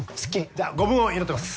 じゃあご武運を祈ってます。